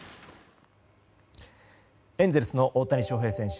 エンゼルスの大谷翔平選手